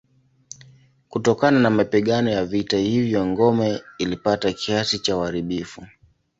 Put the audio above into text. Kutokana na mapigano ya vita hivyo ngome ilipata kiasi cha uharibifu.